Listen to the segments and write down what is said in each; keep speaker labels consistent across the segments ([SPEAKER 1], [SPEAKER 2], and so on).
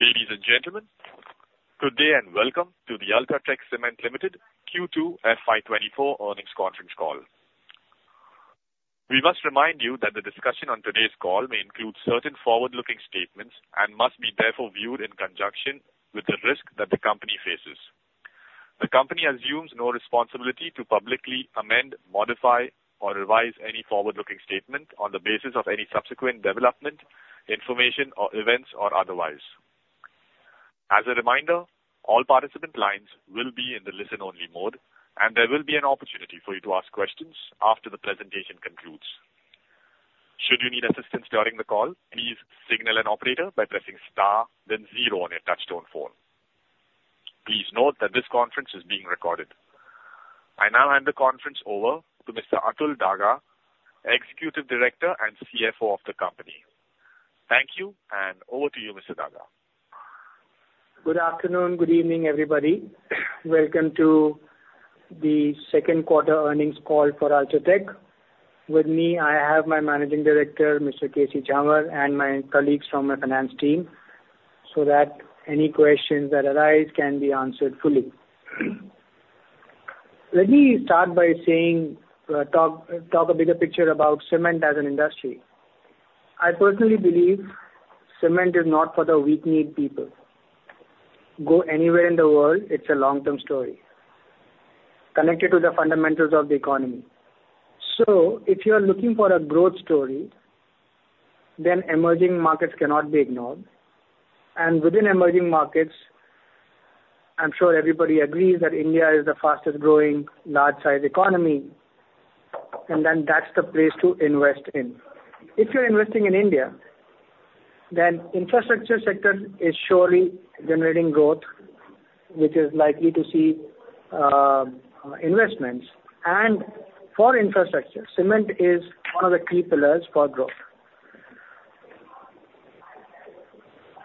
[SPEAKER 1] Ladies and gentlemen, good day and welcome to the UltraTech Cement Limited Q2 FY 2024 earnings conference call. We must remind you that the discussion on today's call may include certain forward-looking statements and must be therefore viewed in conjunction with the risk that the company faces. The company assumes no responsibility to publicly amend, modify or revise any forward-looking statement on the basis of any subsequent development, information or events or otherwise. As a reminder, all participant lines will be in the listen-only mode, and there will be an opportunity for you to ask questions after the presentation concludes. Should you need assistance during the call, please signal an operator by pressing star then zero on your touchtone phone. Please note that this conference is being recorded. I now hand the conference over to Mr. Atul Daga, Executive Director and CFO of the company. Thank you, and over to you, Mr. Daga.
[SPEAKER 2] Good afternoon, good evening, everybody. Welcome to the second quarter earnings call for UltraTech. With me, I have my Managing Director, Mr. K. C. Jhanwar, and my colleagues from my finance team, so that any questions that arise can be answered fully. Let me start by saying, talk a bigger picture about cement as an industry. I personally believe cement is not for the weak-kneed people. Go anywhere in the world, it's a long-term story, connected to the fundamentals of the economy. So if you are looking for a growth story, then emerging markets cannot be ignored. And within emerging markets, I'm sure everybody agrees that India is the fastest growing large-sized economy, and then that's the place to invest in. If you're investing in India, then infrastructure sector is surely generating growth, which is likely to see investments. For infrastructure, cement is one of the key pillars for growth.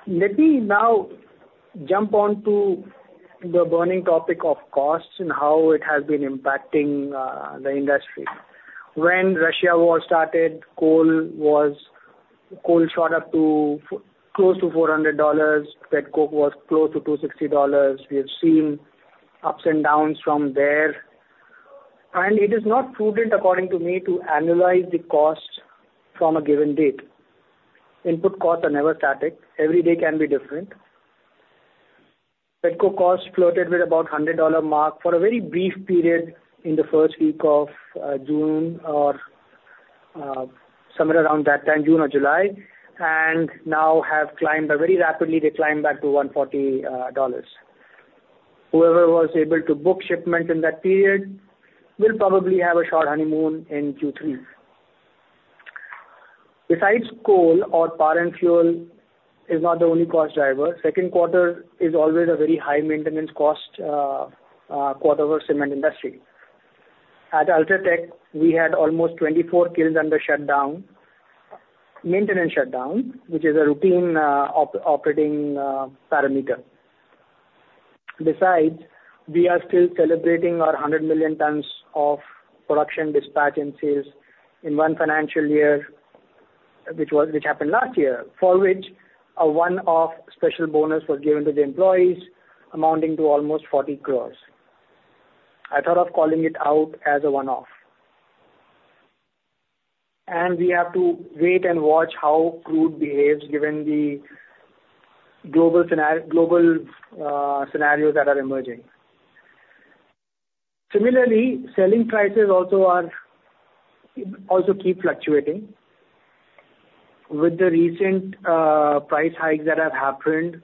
[SPEAKER 2] Let me now jump on to the burning topic of costs and how it has been impacting the industry. When Russia war started, coal shot up to close to $400. Pet coke was close to $260. We have seen ups and downs from there, and it is not prudent, according to me, to analyze the cost from a given date. Input costs are never static. Every day can be different. Pet coke costs floated with about $100 mark for a very brief period in the first week of June or somewhere around that time, June or July, and now have climbed very rapidly. They climbed back to $140. Whoever was able to book shipment in that period will probably have a short honeymoon in Q3. Besides, coal or power and fuel is not the only cost driver. Second quarter is always a very high maintenance cost quarter for cement industry. At UltraTech, we had almost 24 kilns under shutdown, maintenance shutdown, which is a routine operating parameter. Besides, we are still celebrating our 100 million tons of production dispatch in sales in one financial year, which happened last year, for which a one-off special bonus was given to the employees, amounting to almost 40 crore. I thought of calling it out as a one-off. And we have to wait and watch how crude behaves given the global scenarios that are emerging. Similarly, selling prices also are, also keep fluctuating. With the recent price hikes that have happened,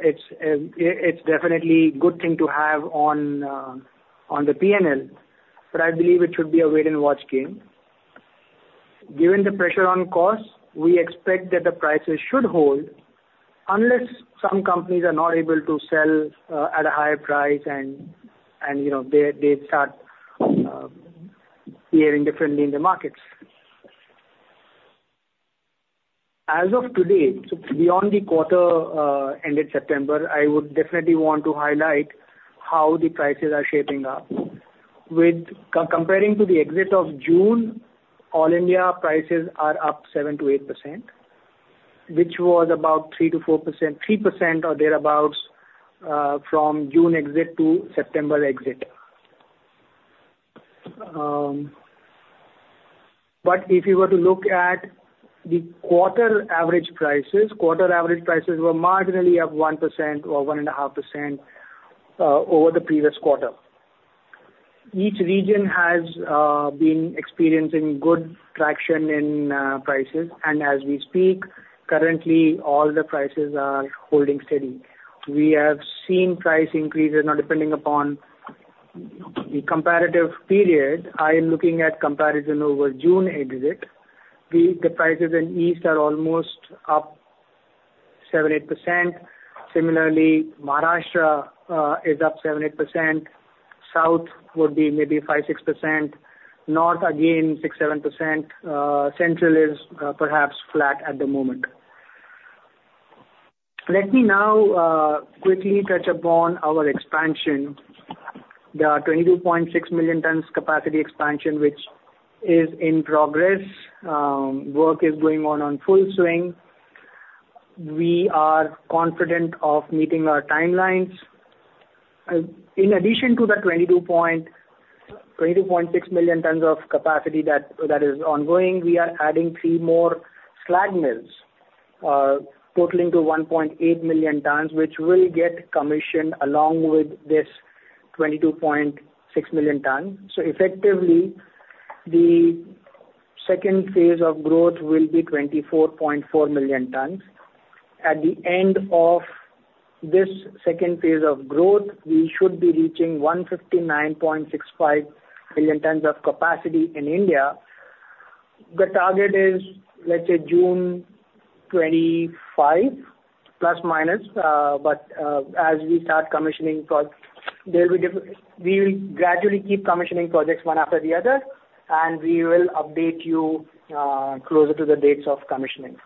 [SPEAKER 2] it's definitely a good thing to have on the P&L, but I believe it should be a wait-and-watch game. Given the pressure on costs, we expect that the prices should hold unless some companies are not able to sell at a higher price and, you know, they start faring differently in the markets. As of today, so beyond the quarter ended September, I would definitely want to highlight how the prices are shaping up. With comparing to the exit of June, all India prices are up 7%-8%, which was about 3%-4%, 3% or thereabouts, from June exit to September exit. But if you were to look at the quarter average prices, quarter average prices were marginally up 1% or 1.5%, over the previous quarter. Each region has been experiencing good traction in prices, and as we speak, currently, all the prices are holding steady. We have seen price increases, now depending upon the comparative period. I am looking at comparison over June exit. The prices in East are almost up 7%-8%. Similarly, Maharashtra is up 7%-8%. South would be maybe 5%-6%. North, again, 6%-7%. Central is perhaps flat at the moment. Let me now quickly touch upon our expansion. The 22.6 million tons capacity expansion, which is in progress, work is going on full swing. We are confident of meeting our timelines. In addition to the 22.6 million tons of capacity that is ongoing, we are adding three more slag mills, totaling to 1.8 million tons, which will get commissioned along with this 22.6 million tons. So effectively, the second phase of growth will be 24.4 million tons. At the end of this second phase of growth, we should be reaching 159.65 million tons of capacity in India. The target is, let's say, June 2025 ±, but as we start commissioning projects, there will be we will gradually keep commissioning projects one after the other, and we will update you closer to the dates of commissioning.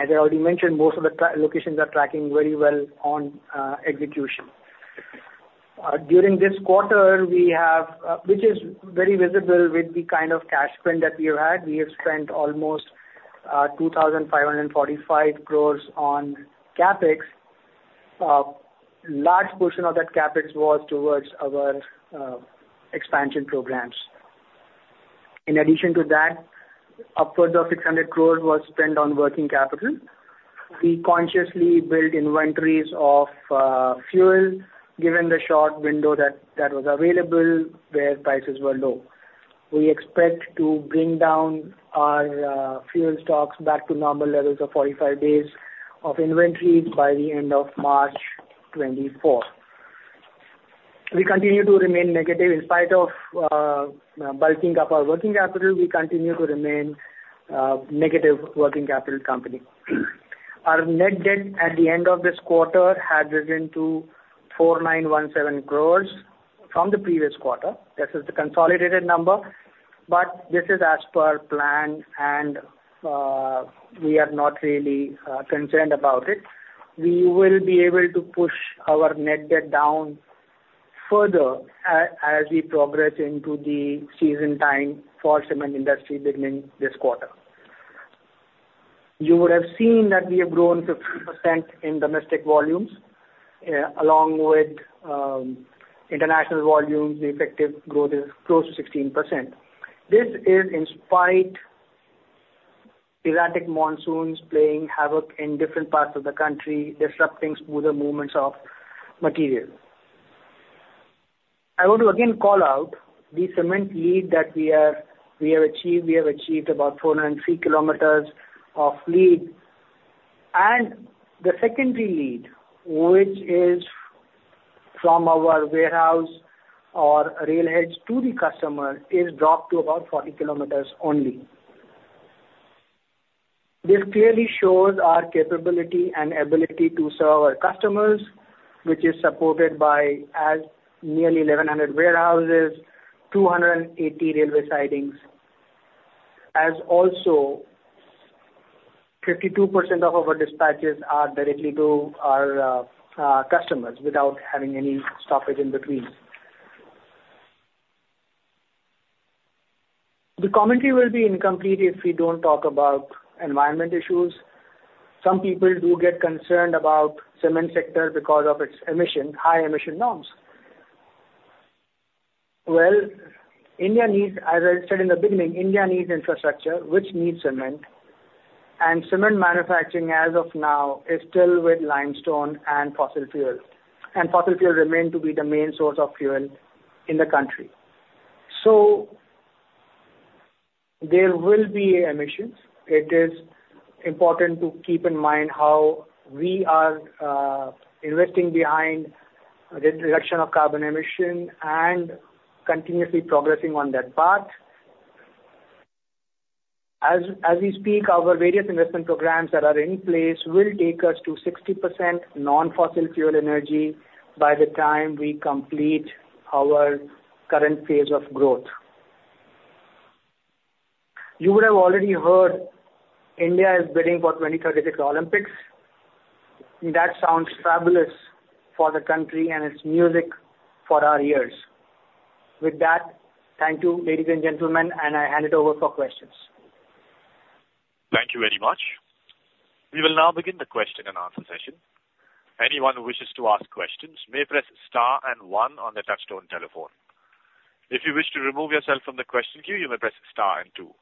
[SPEAKER 2] As I already mentioned, most of the locations are tracking very well on execution. During this quarter, we have, which is very visible with the kind of cash spend that we have had. We have spent almost 2,545 crore on CapEx. Large portion of that CapEx was towards our expansion programs. In addition to that, upwards of 600 crore was spent on working capital. We consciously built inventories of fuel, given the short window that, that was available, where prices were low. We expect to bring down our fuel stocks back to normal levels of 45 days of inventory by the end of March 2024. We continue to remain negative. In spite of bulking up our working capital, we continue to remain negative working capital company. Our net debt at the end of this quarter had risen to 4,917 crore from the previous quarter. This is the consolidated number, but this is as per plan, and we are not really concerned about it. We will be able to push our net debt down further as we progress into the season time for cement industry beginning this quarter. You would have seen that we have grown 15% in domestic volumes, along with international volumes, the effective growth is close to 16%. This is in spite of erratic monsoons playing havoc in different parts of the country, disrupting smoother movements of material. I want to again call out the cement lead that we have, we have achieved. We have achieved about 403 km of lead, and the secondary lead, which is from our warehouse or rail heads to the customer, is dropped to about 40 km only. This clearly shows our capability and ability to serve our customers, which is supported by nearly 1,100 warehouses, 280 railway sidings, as also 52% of our dispatches are directly to our customers without having any stoppage in between. The commentary will be incomplete if we don't talk about environmental issues. Some people do get concerned about cement sector because of its emissions, high emission norms. Well, India needs, as I said in the beginning, India needs infrastructure, which needs cement, and cement manufacturing, as of now, is still with limestone and fossil fuel, and fossil fuel remain to be the main source of fuel in the country. So there will be emissions. It is important to keep in mind how we are investing behind the reduction of carbon emissions and continuously progressing on that path. As, as we speak, our various investment programs that are in place will take us to 60% non-fossil fuel energy by the time we complete our current phase of growth. You would have already heard India is bidding for 2036 Olympics. That sounds fabulous for the country, and it's music for our ears. With that, thank you, ladies and gentlemen, and I hand it over for questions.
[SPEAKER 1] Thank you very much. We will now begin the question and answer session. Anyone who wishes to ask questions may press star and one on their touchtone telephone. If you wish to remove yourself from the question queue, you may press star and two.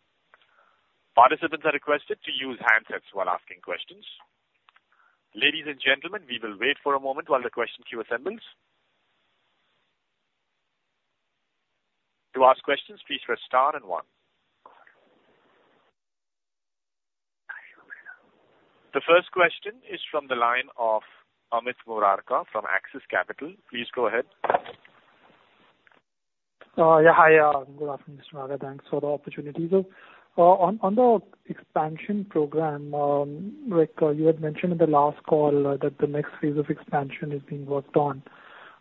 [SPEAKER 1] Participants are requested to use handsets while asking questions. Ladies and gentlemen, we will wait for a moment while the question queue assembles. To ask questions, please press star and one. The first question is from the line of Amit Murarka from Axis Capital. Please go ahead.
[SPEAKER 3] Yeah. Hi, good afternoon, Mr. Daga. Thanks for the opportunity. So, on the expansion program, like, you had mentioned in the last call, that the next phase of expansion is being worked on.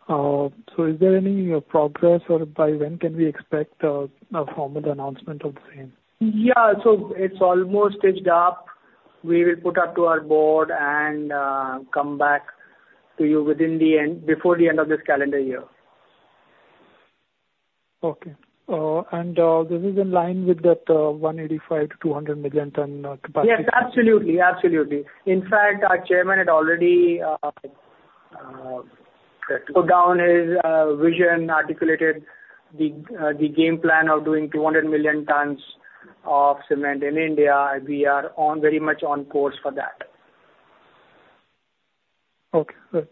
[SPEAKER 3] So is there any progress, or by when can we expect a formal announcement of the same?
[SPEAKER 2] Yeah. So it's almost stitched up... We will put up to our board and come back to you within the end, before the end of this calendar year.
[SPEAKER 3] Okay. And, this is in line with that, 185-200 million ton capacity?
[SPEAKER 2] Yes, absolutely. Absolutely. In fact, our chairman had already put down his vision, articulated the game plan of doing 200 million tons of cement in India, and we are very much on course for that.
[SPEAKER 3] Okay, good.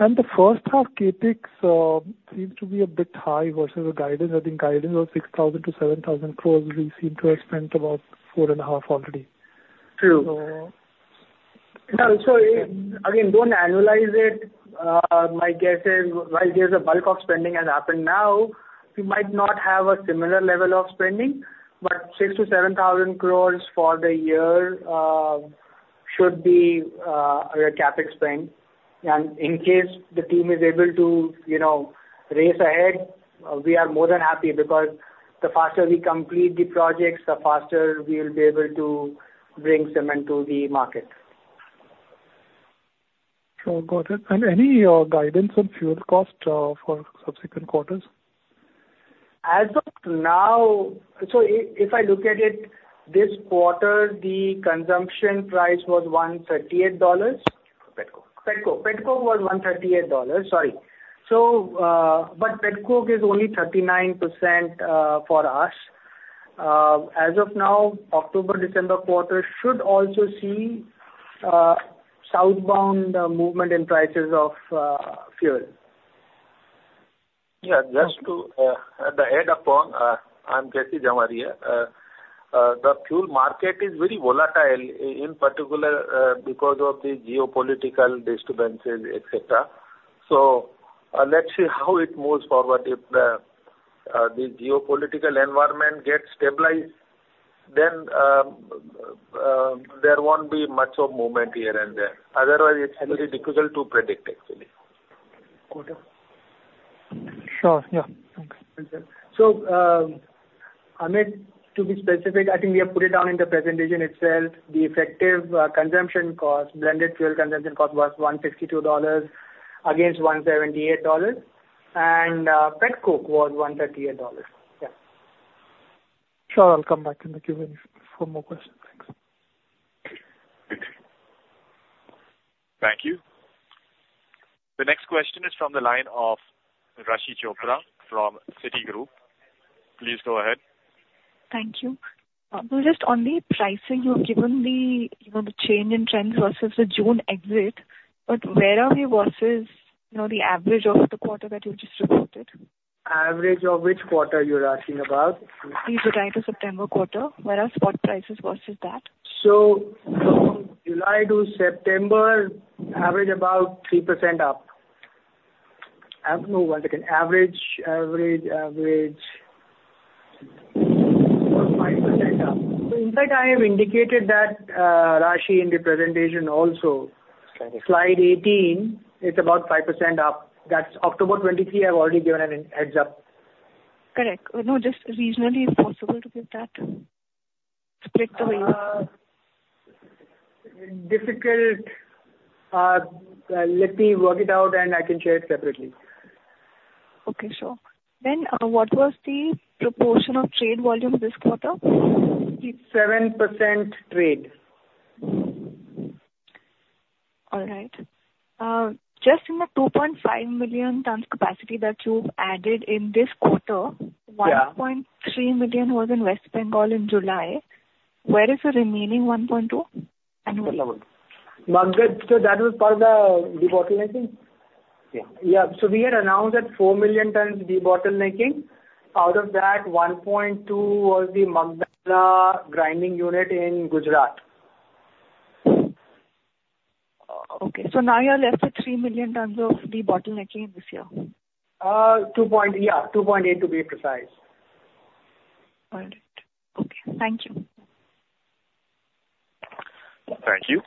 [SPEAKER 3] The first half CapEx seems to be a bit high versus the guidance. I think guidance was 6,000 crore-7,000 crore. We seem to have spent about 4,500 crore already.
[SPEAKER 2] True.
[SPEAKER 3] So-
[SPEAKER 2] No, so, again, don't annualize it. My guess is, while there's a bulk of spending has happened now, we might not have a similar level of spending, but 6,000 crore-7,000 crore for the year should be our CapEx spend. And in case the team is able to, you know, race ahead, we are more than happy, because the faster we complete the projects, the faster we will be able to bring cement to the market.
[SPEAKER 3] Sure, got it. Any guidance on fuel cost for subsequent quarters?
[SPEAKER 2] As of now... So if I look at it, this quarter, the consumption price was $138.
[SPEAKER 4] Pet coke.
[SPEAKER 2] Pet coke. Pet coke was $138, sorry. So, but Pet coke is only 39%, for us. As of now, October-December quarter should also see southbound movement in prices of fuel.
[SPEAKER 4] Yeah, just to add upon, I'm K. C. Jhanwar. The fuel market is very volatile, in particular, because of the geopolitical disturbances, et cetera. So, let's see how it moves forward. If the geopolitical environment gets stabilized, then there won't be much of movement here and there. Otherwise, it's very difficult to predict, actually.
[SPEAKER 3] Got it. Sure, yeah. Okay.
[SPEAKER 2] So, Amit, to be specific, I think we have put it down in the presentation itself. The effective consumption cost, blended fuel consumption cost, was $152 against $178, and Pet coke was $138. Yeah.
[SPEAKER 3] Sure, I'll come back in the queueing for more questions. Thanks.
[SPEAKER 1] Thank you. The next question is from the line of Raashi Chopra from Citigroup. Please go ahead.
[SPEAKER 5] Thank you. Just on the pricing, you have given the, you know, the change in trends versus the June exit, but where are we versus, you know, the average of the quarter that you just reported?
[SPEAKER 2] Average of which quarter you are asking about?
[SPEAKER 5] The July to September quarter, where are spot prices versus that?
[SPEAKER 2] So from July to September, average about 3% up. No, one second. Average 5% up.
[SPEAKER 5] So in fact, I have indicated that-
[SPEAKER 2] Raashi, in the presentation also.
[SPEAKER 4] Correct.
[SPEAKER 2] Slide 18, it's about 5% up. That's October 2023. I've already given an heads-up.
[SPEAKER 5] Correct. No, just regionally, if possible, to give that, split the way.
[SPEAKER 2] Difficult. Let me work it out, and I can share it separately.
[SPEAKER 5] Okay, sure. Then, what was the proportion of trade volume this quarter?
[SPEAKER 2] It's 7% trade.
[SPEAKER 5] All right. Just in the 2.5 million tons capacity that you've added in this quarter-
[SPEAKER 2] Yeah.
[SPEAKER 5] 1.3 million was in West Bengal in July. Where is the remaining 1.2, anyway?
[SPEAKER 2] So that was for the debottlenecking?
[SPEAKER 4] Yeah.
[SPEAKER 2] Yeah. So we had announced that 4 million tons debottlenecking. Out of that, 1.2 was the Magdalla grinding unit in Gujarat.
[SPEAKER 5] Okay. So now you are left with 3 million tons of debottlenecking this year?
[SPEAKER 2] Yeah, 2.8, to be precise.
[SPEAKER 5] All right. Okay. Thank you.
[SPEAKER 1] Thank you.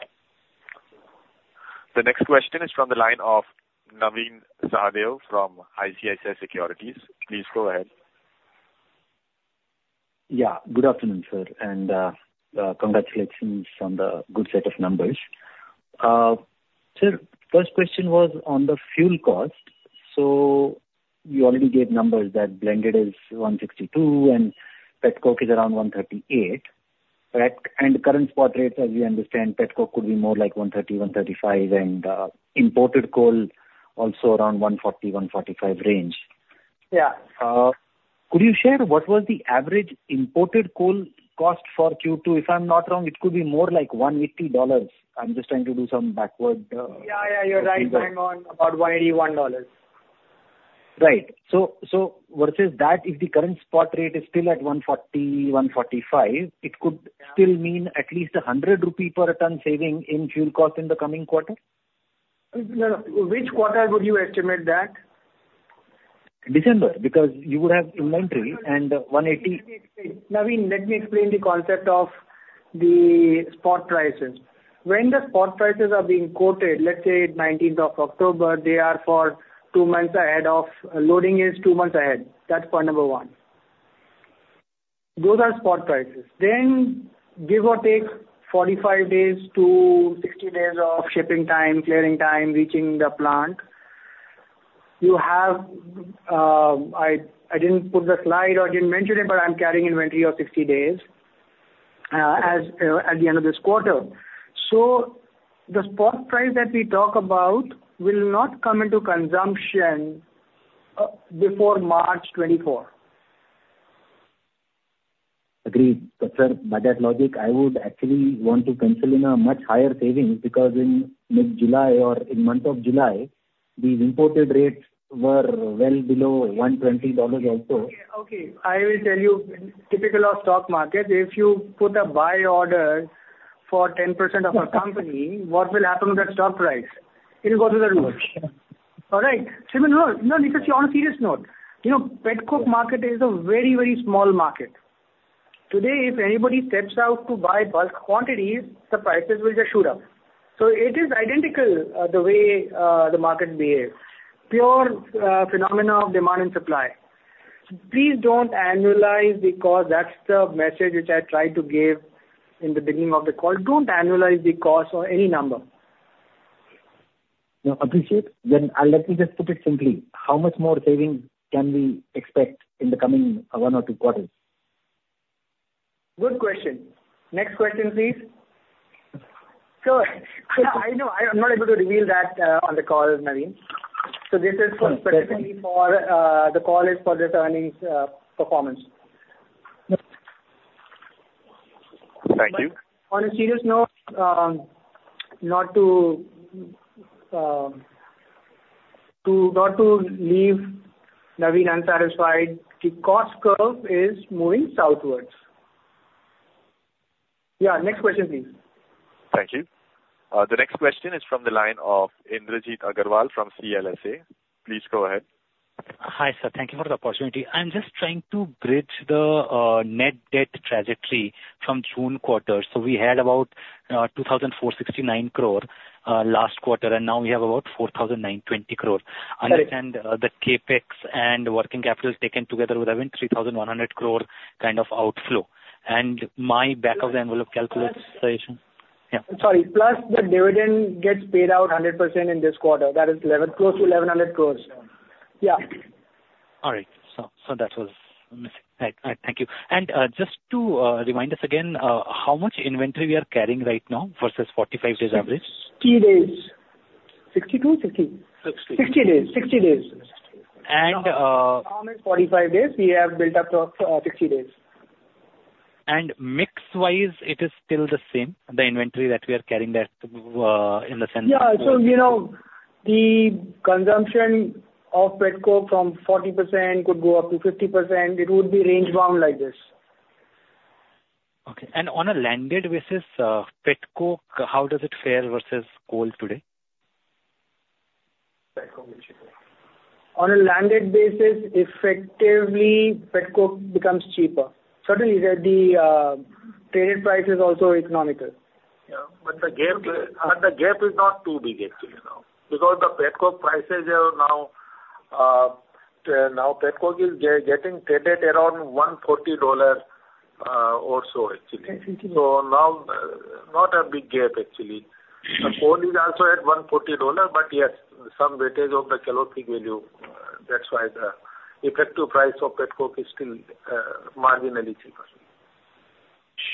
[SPEAKER 1] The next question is from the line of Navin Sahadeo from ICICI Securities. Please go ahead.
[SPEAKER 6] Yeah, good afternoon, sir, and congratulations on the good set of numbers. Sir, first question was on the fuel cost. So you already gave numbers that blended is $162, and Pet coke is around $138, correct? And current spot rates, as we understand, Pet coke could be more like $130-$135, and imported coal also around $140-$145 range.
[SPEAKER 2] Yeah.
[SPEAKER 6] Could you share what was the average imported coal cost for Q2? If I'm not wrong, it could be more like $180. I'm just trying to do some backward.
[SPEAKER 2] Yeah, yeah, you're right. Spot about $181.
[SPEAKER 6] Right. So, so versus that, if the current spot rate is still at $140-$145, it could-
[SPEAKER 2] Yeah.
[SPEAKER 6] -still mean at least 100 rupee per ton saving in fuel cost in the coming quarter?
[SPEAKER 2] No, which quarter would you estimate that?
[SPEAKER 6] December, because you would have inventory and 180-
[SPEAKER 2] Navin, let me explain the concept of the spot prices. When the spot prices are being quoted, let's say 19th of October, they are for two months ahead of... Loading is two months ahead. That's point number one. Those are spot prices. Then give or take 45-60 days of shipping time, clearing time, reaching the plant. You have, I didn't put the slide or didn't mention it, but I'm carrying inventory of 60 days, as at the end of this quarter. So the spot price that we talk about will not come into consumption before March 2024.
[SPEAKER 6] Agreed. But sir, by that logic, I would actually want to capitalize on a much higher savings, because in mid-July or in month of July, the imported rates were well below $120 also.
[SPEAKER 2] Okay, okay. I will tell you, typical of stock market, if you put a buy order for 10% of a company, what will happen to that stock price? It will go to the roof. All right. So no, no, Navin, on a serious note, you know, Pet coke market is a very, very small market. Today, if anybody steps out to buy bulk quantities, the prices will just shoot up. So it is identical, the way the market behaves. Pure phenomena of demand and supply. Please don't annualize the cost. That's the message which I tried to give in the beginning of the call. Don't annualize the cost or any number.
[SPEAKER 6] No, appreciate. Then, let me just put it simply: How much more savings can we expect in the coming one or two quarters?
[SPEAKER 2] Good question. Next question, please. Sir, no, I know, I'm not able to reveal that, on the call, Navin. So this is specifically for, the call is for the earnings, performance.
[SPEAKER 6] Thank you.
[SPEAKER 2] On a serious note, not to leave Navin unsatisfied, the cost curve is moving southwards. Yeah. Next question, please.
[SPEAKER 1] Thank you. The next question is from the line of Indrajit Agarwal from CLSA. Please go ahead.
[SPEAKER 7] Hi, sir. Thank you for the opportunity. I'm just trying to bridge the net debt trajectory from June quarter. So we had about 2,469 crore last quarter, and now we have about 4,920 crore.
[SPEAKER 2] Right.
[SPEAKER 7] Understand, the CapEx and working capital is taken together with around 3,100 crore kind of outflow. My back-of-the-envelope calculation-
[SPEAKER 2] Sorry, plus the dividend gets paid out 100% in this quarter. That is close to 1,100 crore. Yeah.
[SPEAKER 7] All right. So that was missing. Right. Right. Thank you. And just to remind us again, how much inventory we are carrying right now versus 45 days average?
[SPEAKER 2] 60 days. 50 or 60?
[SPEAKER 4] 60.
[SPEAKER 2] 60 days, 60 days.
[SPEAKER 7] And, uh-
[SPEAKER 2] Normally 45 days, we have built up to, 60 days.
[SPEAKER 7] Mix-wise, it is still the same, the inventory that we are carrying that, in the sense-
[SPEAKER 2] Yeah. So, you know, the consumption of Pet coke from 40% could go up to 50%. It would be range bound like this.
[SPEAKER 7] Okay. And on a landed basis, Pet coke, how does it fare versus coal today?
[SPEAKER 4] Pet coke versus what?
[SPEAKER 2] On a landed basis, effectively, Pet coke becomes cheaper. Certainly, the traded price is also economical.
[SPEAKER 4] Yeah, but the gap, the gap is not too big actually now, because the Pet coke prices are now, now Pet coke is getting traded around $140 or so, actually.
[SPEAKER 7] Mm-hmm.
[SPEAKER 4] Now, not a big gap, actually.
[SPEAKER 7] Mm-hmm.
[SPEAKER 4] The coal is also at $140, but yes, some weightage of the calorific value. That's why the effective price of Pet coke is still marginally cheaper.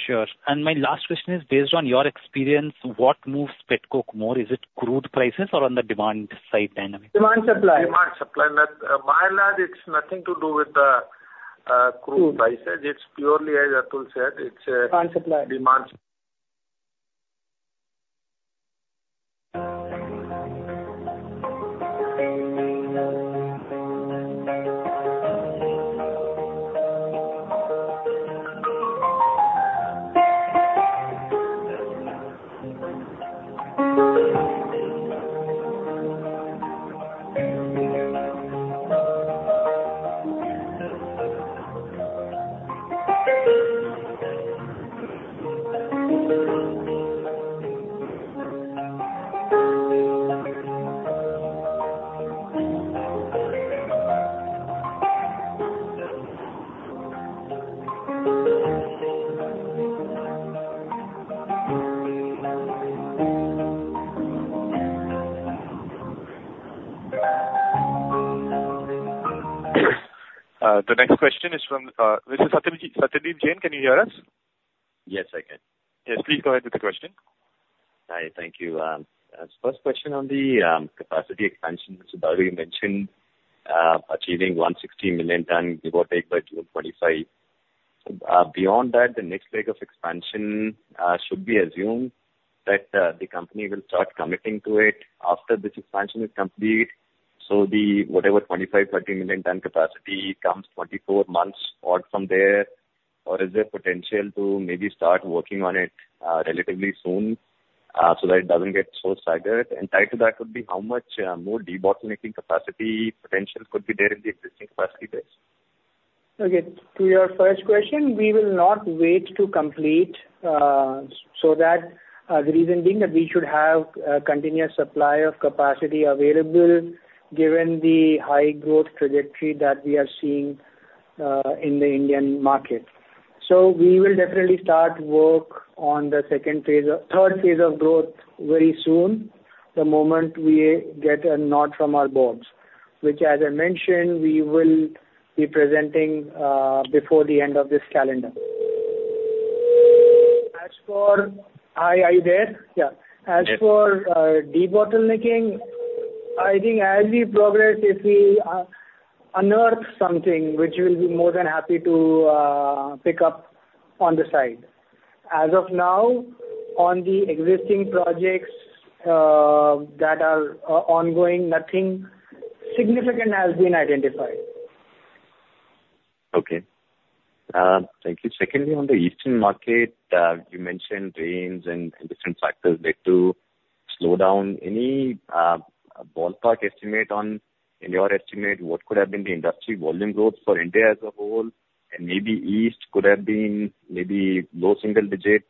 [SPEAKER 7] Sure. My last question is, based on your experience, what moves Pet coke more? Is it crude prices or on the demand-side dynamic?
[SPEAKER 2] Demand, supply.
[SPEAKER 4] Demand, supply. Not by and large, it's nothing to do with the crude prices.
[SPEAKER 7] Mm.
[SPEAKER 4] It's purely, as Atul said, it's
[SPEAKER 2] Demand, supply.
[SPEAKER 4] Demand s-
[SPEAKER 1] The next question is from Mr. Satyadeep Jain. Can you hear us?
[SPEAKER 8] Yes, I can.
[SPEAKER 1] Yes, please go ahead with the question.
[SPEAKER 9] Hi, thank you. First question on the capacity expansion. So earlier you mentioned achieving 160 million tons, give or take, by 2025. Beyond that, the next leg of expansion, should we assume that the company will start committing to it after this expansion is complete, so the whatever 25-30 million ton capacity comes 24 months or from there, or is there potential to maybe start working on it relatively soon, so that it doesn't get so staggered? Tied to that would be how much more debottlenecking capacity potential could be there in the existing capacity base?
[SPEAKER 2] Okay, to your first question, we will not wait to complete so that, the reason being that we should have a continuous supply of capacity available, given the high growth trajectory that we are seeing in the Indian market. So we will definitely start work on the second phase of, third phase of growth very soon, the moment we get a nod from our boards, which, as I mentioned, we will be presenting before the end of this calendar. As for, hi, are you there? Yeah.
[SPEAKER 9] Yes.
[SPEAKER 2] As for debottlenecking, I think as we progress, if we unearth something, which we'll be more than happy to pick up on the side. As of now, on the existing projects that are ongoing, nothing significant has been identified.
[SPEAKER 9] Okay. Thank you. Secondly, on the eastern market, you mentioned rains and different factors led to slowdown. Any ballpark estimate on, in your estimate, what could have been the industry volume growth for India as a whole, and maybe east could have been maybe low single digit?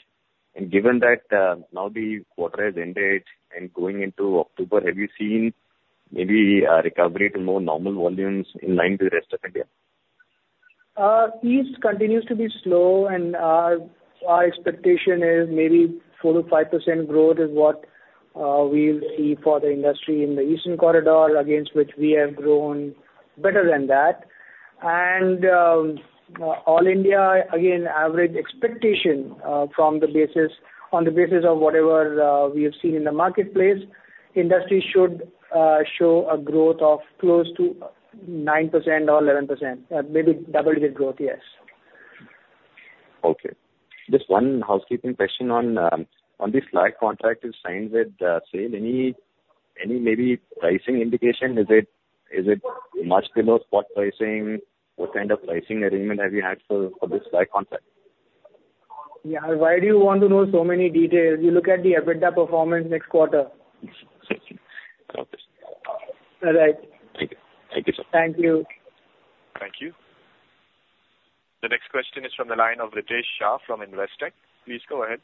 [SPEAKER 9] And given that, now the quarter has ended and going into October, have you seen maybe a recovery to more normal volumes in line with the rest of India?
[SPEAKER 2] East continues to be slow, and our expectation is maybe 4%-5% growth is what we'll see for the industry in the eastern corridor, against which we have grown better than that. All India, again, average expectation on the basis of whatever we have seen in the marketplace, industry should show a growth of close to 9% or 11%. Maybe double-digit growth, yes.
[SPEAKER 9] Okay. Just one housekeeping question on the slag contract you signed with SAIL. Any maybe pricing indication? Is it much below spot pricing? What kind of pricing arrangement have you had for this slag contract?
[SPEAKER 2] Yeah, why do you want to know so many details? You look at the EBITDA performance next quarter.
[SPEAKER 9] Okay.
[SPEAKER 2] All right.
[SPEAKER 9] Thank you. Thank you, sir.
[SPEAKER 2] Thank you.
[SPEAKER 1] Thank you. The next question is from the line of Ritesh Shah from Investec. Please go ahead.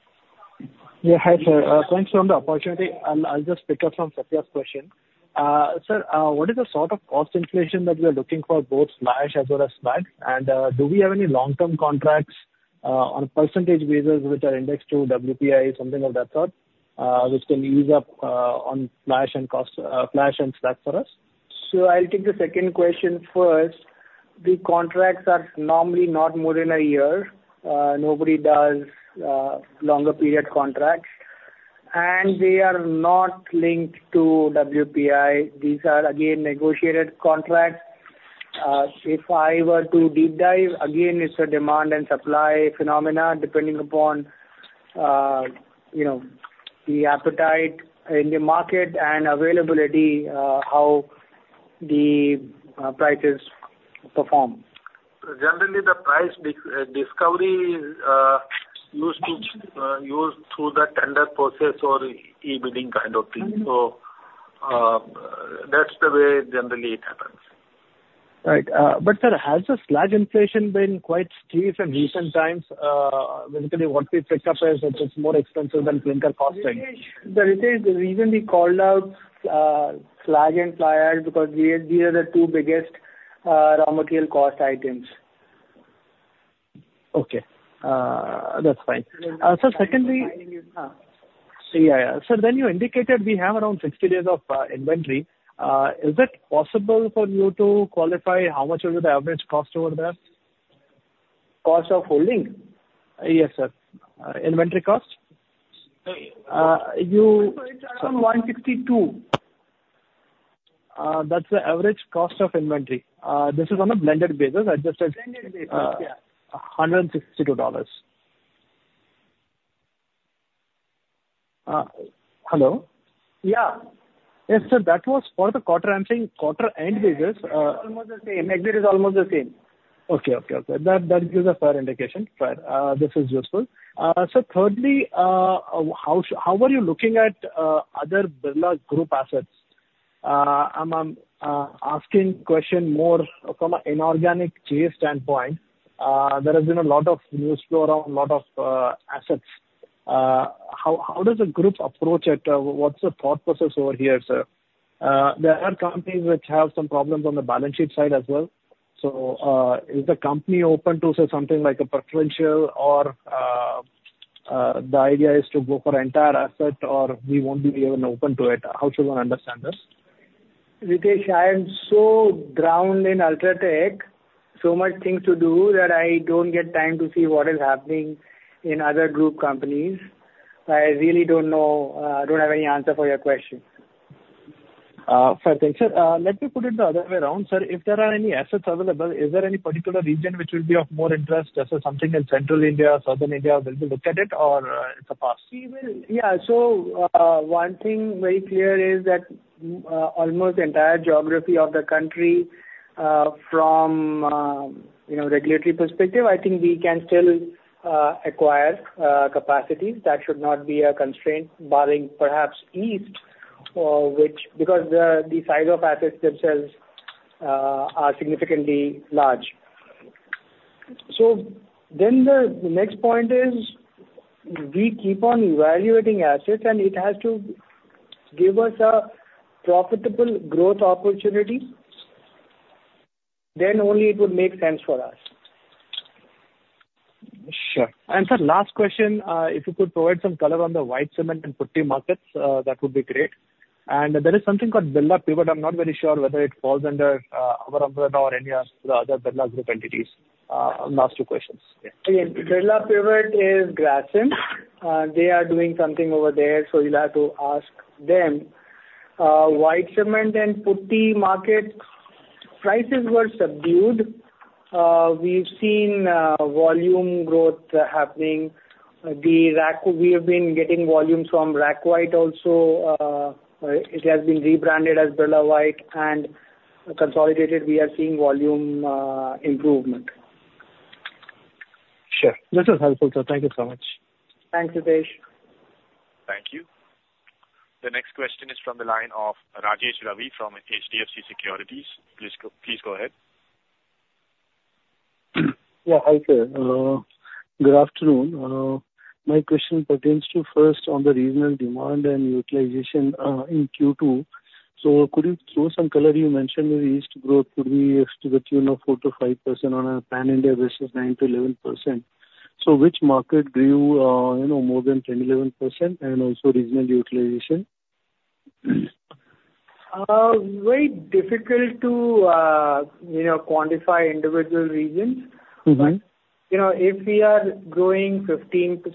[SPEAKER 10] Yeah, hi, sir. Thanks for the opportunity. I'll just pick up from Satya's question. Sir, what is the sort of cost inflation that we are looking for both fly ash as well as slag? And, do we have any long-term contracts, on a percentage basis, which are indexed to WPI, something of that sort, which can ease up on fly ash and cost, fly ash and slag for us?
[SPEAKER 2] So I'll take the second question first. The contracts are normally not more than a year. Nobody does longer period contracts, and they are not linked to WPI. These are again negotiated contracts. If I were to deep dive, again, it's a demand and supply phenomena, depending upon you know, the appetite in the market and availability, how the prices perform.
[SPEAKER 4] Generally, the price discovery used to use through the tender process or e-bidding kind of thing.
[SPEAKER 2] Mm-hmm.
[SPEAKER 4] That's the way generally it happens.
[SPEAKER 10] Right. But sir, has the slag inflation been quite steep in recent times? Basically what we pick up is that it's more expensive than clinker costing.
[SPEAKER 2] The reason we called out slag and fly ash, because these, these are the two biggest raw material cost items.
[SPEAKER 10] Okay, that's fine. Sir, secondly, so yeah, yeah. Sir, when you indicated we have around 60 days of inventory, is it possible for you to qualify how much would be the average cost over that?
[SPEAKER 2] Cost of holding?
[SPEAKER 10] Yes, sir. Inventory cost.
[SPEAKER 2] Uh, you-
[SPEAKER 4] Sir, it's around $162.
[SPEAKER 10] That's the average cost of inventory. This is on a blended basis, adjusted-
[SPEAKER 4] Blended basis, yeah.
[SPEAKER 10] $162. Hello?
[SPEAKER 2] Yeah.
[SPEAKER 10] Yes, sir, that was for the quarter. I'm saying quarter-end basis.
[SPEAKER 2] Almost the same. EBITDA is almost the same.
[SPEAKER 10] Okay, okay, okay. That, that gives a fair indication. Fair. This is useful. So thirdly, how are you looking at other Birla Group assets? I'm asking question more from an inorganic JV standpoint. There has been a lot of news flow around a lot of assets. How does the group approach it? What's the thought process over here, sir? There are companies which have some problems on the balance sheet side as well. So, is the company open to, say, something like a preferential or the idea is to go for entire asset, or we won't be even open to it? How should one understand this?
[SPEAKER 2] Ritesh, I am so drowned in UltraTech, so much things to do, that I don't get time to see what is happening in other group companies. I really don't know, I don't have any answer for your question.
[SPEAKER 10] Fair enough, thanks, sir. Let me put it the other way around, sir. If there are any assets available, is there any particular region which will be of more interest, let's say, something in Central India or Southern India? Will you look at it or it's a pass?
[SPEAKER 2] We will, yeah. So, one thing very clear is that almost the entire geography of the country, from, you know, regulatory perspective, I think we can still acquire capacities. That should not be a constraint, barring perhaps east, which, because the size of assets themselves are significantly large. So then the next point is, we keep on evaluating assets, and it has to give us a profitable growth opportunity. Then only it would make sense for us.
[SPEAKER 10] Sure. Sir, last question, if you could provide some color on the white cement and putty markets, that would be great. There is something called Birla Pivot, but I'm not very sure whether it falls under our umbrella or any of the other Birla Group Entities. Last two questions.
[SPEAKER 2] Yeah. Birla Pivot is Grasim. They are doing something over there, so you'll have to ask them. White cement and putty market prices were subdued. We've seen volume growth happening. The RAK, we have been getting volumes from RAK White also. It has been rebranded as Birla White, and consolidated, we are seeing volume improvement.
[SPEAKER 10] Sure. This is helpful, sir. Thank you so much.
[SPEAKER 2] Thanks, Hitesh.
[SPEAKER 1] Thank you. The next question is from the line of Rajesh Ravi from HDFC Securities. Please go, please go ahead.
[SPEAKER 11] Yeah, hi, sir. Good afternoon. My question pertains to first on the regional demand and utilization in Q2. So could you throw some color? You mentioned the east growth could be to the tune of 4%-5% on a pan-India versus 9%-11%. So which market grew, you know, more than 10, 11% and also regional utilization?
[SPEAKER 2] Very difficult to, you know, quantify individual regions.
[SPEAKER 11] Mm-hmm.
[SPEAKER 2] But, you know, if we are growing 15%,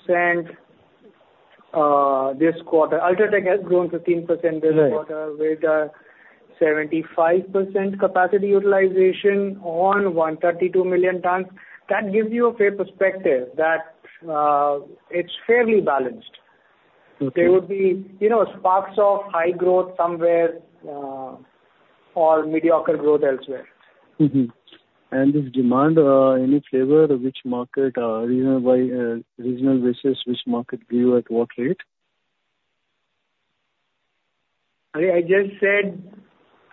[SPEAKER 2] this quarter, UltraTech has grown 15% this quarter-
[SPEAKER 11] Right.
[SPEAKER 2] - with 75% capacity utilization on 132 million tons. That gives you a fair perspective that it's fairly balanced.
[SPEAKER 11] Okay.
[SPEAKER 2] There would be, you know, sparks of high growth somewhere, or mediocre growth elsewhere.
[SPEAKER 11] Mm-hmm. And this demand, any flavor of which market, regional wise, regional versus which market grew at what rate?
[SPEAKER 2] I just said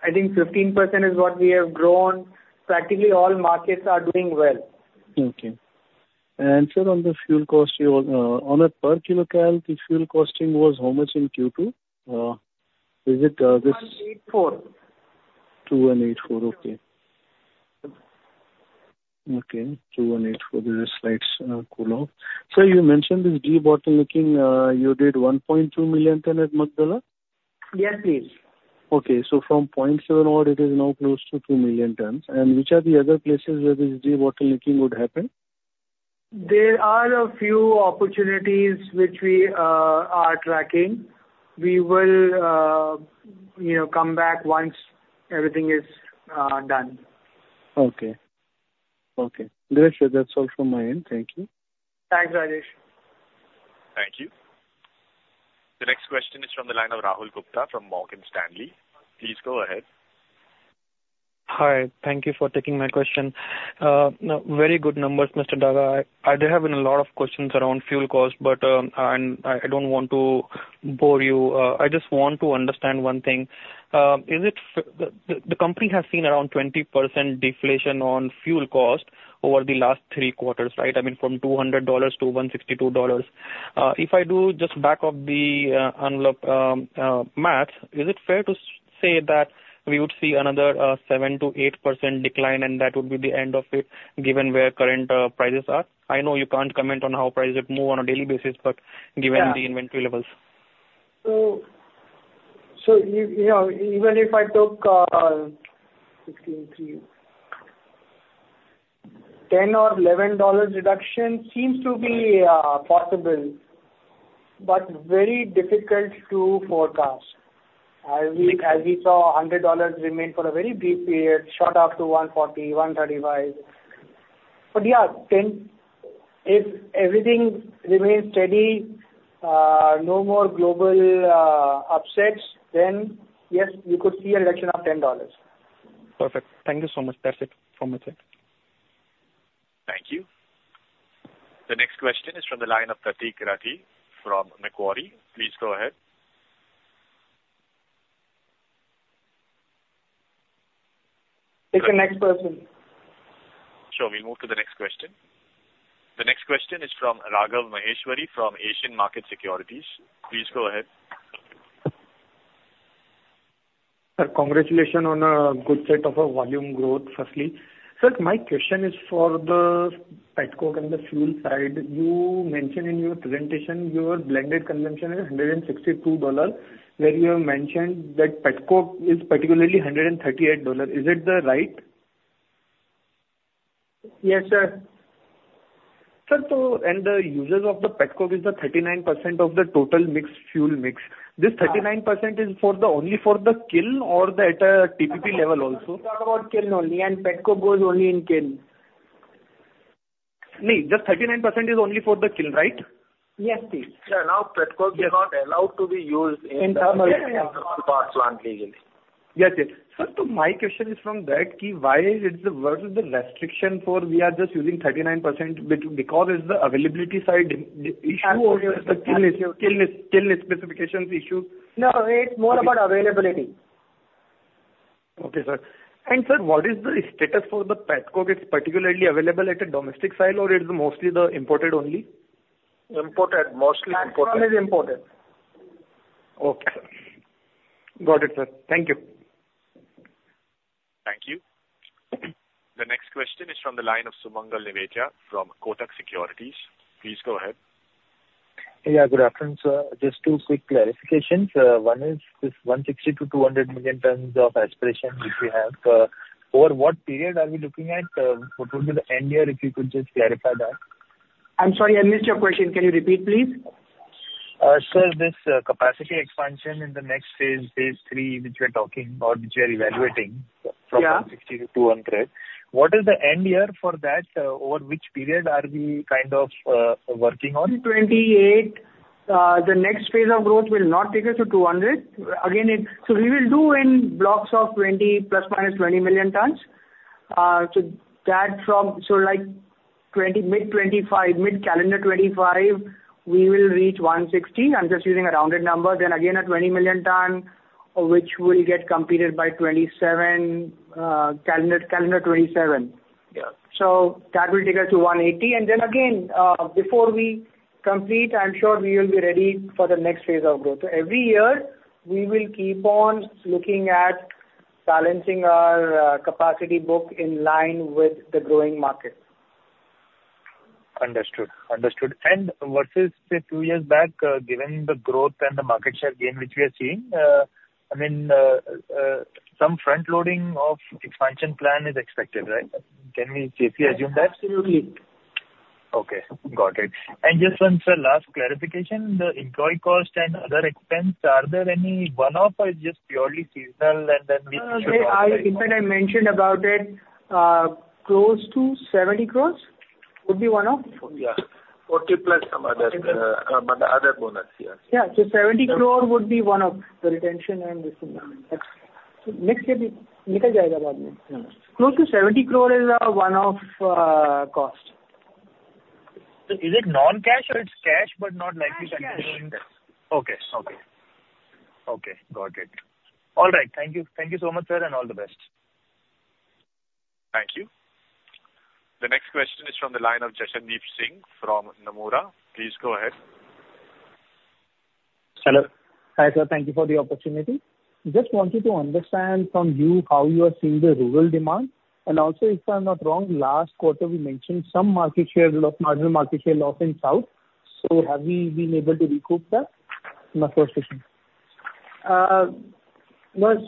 [SPEAKER 2] I think 15% is what we have grown. Practically all markets are doing well.
[SPEAKER 11] Okay. Sir, on the fuel cost, you, on a per kilo cal, the fuel costing was how much in Q2? Is it, this-
[SPEAKER 2] 2184.
[SPEAKER 11] 2184, okay. Okay, 2184. There is a slight cool off. Sir, you mentioned this debottlenecking. You did 1.2 million ton at Makadwala?
[SPEAKER 2] Yes, please.
[SPEAKER 11] Okay. So from 0.7 or it is now close to 2 million tons. Which are the other places where this debottlenecking would happen?
[SPEAKER 2] There are a few opportunities which we are tracking. We will, you know, come back once everything is done.
[SPEAKER 11] Okay. Okay. That's it. That's all from my end. Thank you.
[SPEAKER 2] Thanks, Rajesh.
[SPEAKER 1] Thank you. The next question is from the line of Rahul Gupta from Morgan Stanley. Please go ahead.
[SPEAKER 12] Hi. Thank you for taking my question. Very good numbers, Mr. Daga. There have been a lot of questions around fuel costs, but I don't want to bore you. I just want to understand one thing. Is it the company has seen around 20% deflation on fuel cost over the last three quarters, right? I mean, from $200 to $162. If I do just back of the envelope math, is it fair to say that we would see another 7%-8% decline, and that would be the end of it, given where current prices are? I know you can't comment on how prices move on a daily basis, but-
[SPEAKER 2] Yeah.
[SPEAKER 12] -given the inventory levels.
[SPEAKER 2] So, you know, even if I took $16, $3, $10 or $11 dollars reduction seems to be possible, but very difficult to forecast. As we saw, $100 remained for a very brief period, shot up to $140, $135. But yeah, $10, if everything remains steady, no more global upsets, then yes, we could see a reduction of $10.
[SPEAKER 12] Perfect. Thank you so much. That's it from my side.
[SPEAKER 1] Thank you. The next question is from the line of Kartik Rathi from Macquarie. Please go ahead.
[SPEAKER 2] Take the next person.
[SPEAKER 1] Sure, we'll move to the next question. The next question is from Raghav Maheshwari from Asian Markets Securities. Please go ahead.
[SPEAKER 13] Sir, congratulations on a good set of volume growth, firstly. Sir, my question is for the Pet coke and the fuel side. You mentioned in your presentation your blended consumption is $162, where you have mentioned that Pet coke is particularly $138. Is it the right?
[SPEAKER 2] Yes, sir.
[SPEAKER 13] Sir, the usage of the Pet coke is the 39% of the total mixed fuel mix.
[SPEAKER 2] Yeah.
[SPEAKER 13] This 39% is for the, only for the kiln or the at TPP level also?
[SPEAKER 2] Talk about kiln only, and Pet coke goes only in kiln.
[SPEAKER 13] No, the 39% is only for the kiln, right?
[SPEAKER 2] Yes, please.
[SPEAKER 4] Sir, now, Pet coke is not allowed to be used in-
[SPEAKER 2] In thermal plant.
[SPEAKER 4] Power plant legally.
[SPEAKER 13] Yes, yes. Sir, so my question is from that, key, why is it the, what is the restriction for we are just using 39%? Because it's the availability side issue or the kiln specifications issue?
[SPEAKER 2] No, it's more about availability.
[SPEAKER 13] Okay, sir. And sir, what is the status for the Pet coke? It's particularly available at a domestic site, or it's mostly the imported only?
[SPEAKER 4] Imported, mostly imported.
[SPEAKER 2] Pet coke is imported.... Okay, sir. Got it, sir. Thank you.
[SPEAKER 1] Thank you. The next question is from the line of Sumangal Nevatia from Kotak Securities. Please go ahead.
[SPEAKER 14] Yeah, good afternoon, sir. Just two quick clarifications. One is this 160-200 million tons of aspiration which we have, over what period are we looking at? What would be the end year, if you could just clarify that?
[SPEAKER 2] I'm sorry, I missed your question. Can you repeat, please?
[SPEAKER 14] Sir, this capacity expansion in the next phase, phase III, which we're talking or which you're evaluating-
[SPEAKER 2] Yeah.
[SPEAKER 14] from 160 to 200, what is the end year for that? Over which period are we kind of working on?
[SPEAKER 2] 28, the next phase of growth will not take us to 200. Again, so we will do in blocks of 20, ±20 million tons. So that from, so like 20, mid-2025, mid-calendar 2025, we will reach 160. I'm just using a rounded number. Then again, a 20 million ton, which will get completed by 2027, calendar 2027.
[SPEAKER 14] Yeah.
[SPEAKER 2] So that will take us to 180. And then again, before we complete, I'm sure we will be ready for the next phase of growth. So every year, we will keep on looking at balancing our capacity book in line with the growing market.
[SPEAKER 14] Understood, understood. And versus the two years back, given the growth and the market share gain which we are seeing, I mean, some front loading of expansion plan is expected, right? Can we safely assume that?
[SPEAKER 2] Absolutely.
[SPEAKER 14] Okay, got it. And just one, sir, last clarification. The employee cost and other expense, are there any one-off or it's just purely seasonal, and then it should-
[SPEAKER 2] In fact, I mentioned about it, close to 70 crore would be one-off.
[SPEAKER 4] Yeah. 40 plus some other, but the other bonus, yes.
[SPEAKER 2] Yeah. So 70 crore would be one-off, the retention and this and that. Next year, we
[SPEAKER 14] Close to 70 crore is a one-off cost. So is it non-cash or it's cash, but not likely to be?
[SPEAKER 2] Cash, cash.
[SPEAKER 14] Okay. Okay. Okay, got it. All right, thank you. Thank you so much, sir, and all the best.
[SPEAKER 1] Thank you. The next question is from the line of Jashandeep Singh from Nomura. Please go ahead.
[SPEAKER 15] Hello. Hi, sir, thank you for the opportunity. Just wanted to understand from you how you are seeing the rural demand, and also, if I'm not wrong, last quarter we mentioned some market share loss, marginal market share loss in South. So have we been able to recoup that? In the first question.
[SPEAKER 2] Was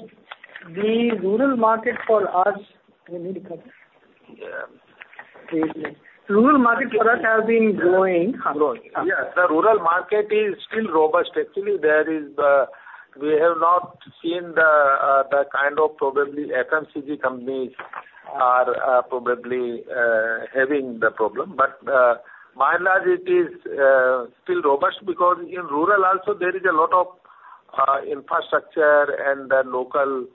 [SPEAKER 2] the rural market for us... Can you repeat that?
[SPEAKER 4] Yeah.
[SPEAKER 2] Rural market for us has been growing.
[SPEAKER 4] Growing. Yeah, the rural market is still robust. Actually, there is, we have not seen the, the kind of probably FMCG companies are, probably, having the problem. But, by and large, it is, still robust, because in rural also, there is a lot of, infrastructure and the local,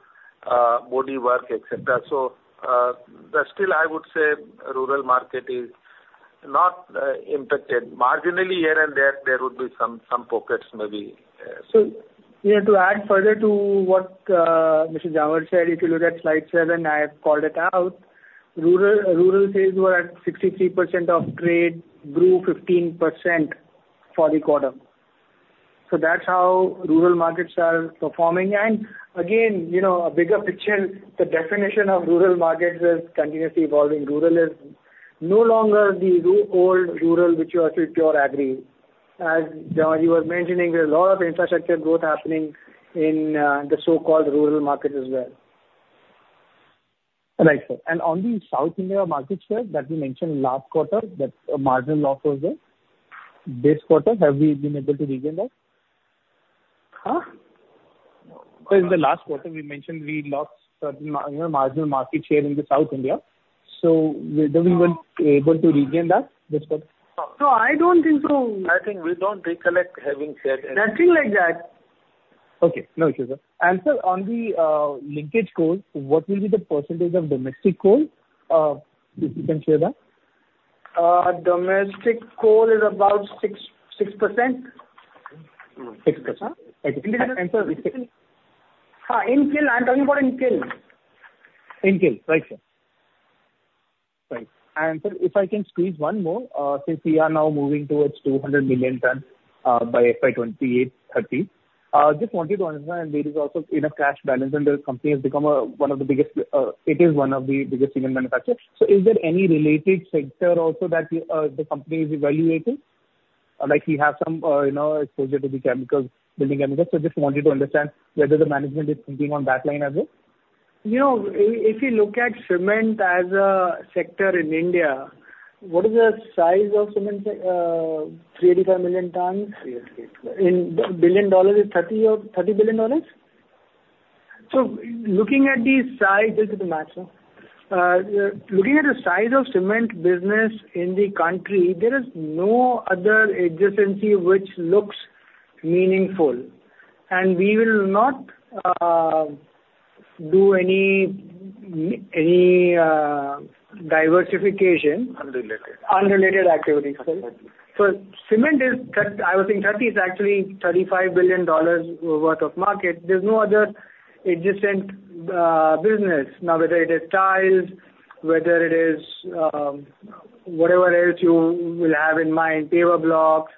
[SPEAKER 4] body work, et cetera. So, but still, I would say rural market is not, impacted. Marginally, here and there, there would be some, some pockets, maybe,
[SPEAKER 2] So yeah, to add further to what, Mr. Jhanwar said, if you look at slide 7, I have called it out. Rural, rural sales were at 63% of trade, grew 15% for the quarter. So that's how rural markets are performing. And again, you know, a bigger picture, the definition of rural markets is continuously evolving. Rural is no longer the old rural, which was with pure agri. As Jhanwar you were mentioning, there's a lot of infrastructure growth happening in, the so-called rural market as well.
[SPEAKER 15] Right, sir. On the South India market share that we mentioned last quarter, that a marginal loss was there. This quarter, have we been able to regain that?
[SPEAKER 2] Huh?
[SPEAKER 15] Sir, in the last quarter, we mentioned we lost certain marginal market share in South India, so were we then able to regain that this quarter?
[SPEAKER 2] No, I don't think so.
[SPEAKER 4] I think we don't recollect having shared any-
[SPEAKER 2] Nothing like that.
[SPEAKER 15] Okay, no issues, sir. Sir, on the linkage coal, what will be the percentage of domestic coal, if you can share that?
[SPEAKER 2] Domestic goal is about 6-6%.
[SPEAKER 15] 6%.
[SPEAKER 2] Huh?
[SPEAKER 15] And so-
[SPEAKER 2] In kiln, I'm talking about in kiln.
[SPEAKER 15] In kiln, right, sir. Right. And sir, if I can squeeze one more, since we are now moving towards 200 million tons by FY 2028, 2030. Just wanted to understand, there is also enough cash balance, and the company has become one of the biggest, it is one of the biggest cement manufacturer. So is there any related sector also that the company is evaluating? Like we have some, you know, exposure to the chemicals, building chemicals. So just wanted to understand whether the management is thinking on that line as well.
[SPEAKER 2] You know, if you look at cement as a sector in India, what is the size of cement? 385 million tons.
[SPEAKER 15] 385.
[SPEAKER 2] In billion dollars, is $30 or $30 billion? So looking at the size, just a match, sir. Looking at the size of cement business in the country, there is no other adjacency which looks meaningful, and we will not do any diversification.
[SPEAKER 4] Unrelated.
[SPEAKER 2] Unrelated activity. So cement is—I was saying 30, is actually $35 billion worth of market. There's no other adjacent business, now, whether it is tiles, whether it is, whatever else you will have in mind, paver blocks,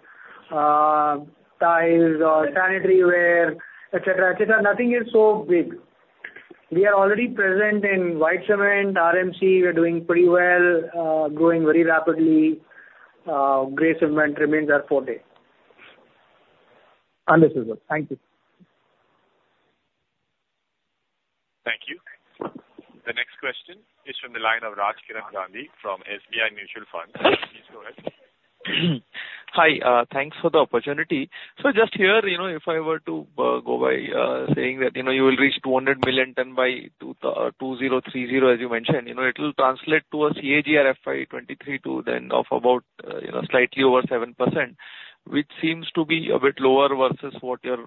[SPEAKER 2] tiles or sanitary ware, etc., etc. Nothing is so big. We are already present in white cement, RMC. We are doing pretty well, growing very rapidly. Gray cement remains our forte.
[SPEAKER 15] Understood, sir. Thank you.
[SPEAKER 4] Thank you. The next question is from the line of Raj Kiran Gandhi from SBI Mutual Fund. Please go ahead.
[SPEAKER 16] Hi, thanks for the opportunity. So just here, you know, if I were to go by saying that, you know, you will reach 200 million tons by 2030, as you mentioned, you know, it will translate to a CAGR FY 2023 to then of about, you know, slightly over 7%, which seems to be a bit lower versus what your